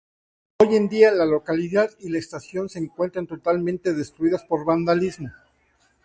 Hoy en día la localidad y la estación se encuentran totalmente destruidas por vandalismo.